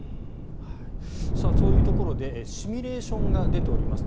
そういうところでシミュレーションが出ています。